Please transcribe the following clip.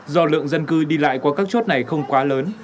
do lượng dân cư đi lại qua các chốt này không quá lớn